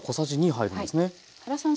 原さん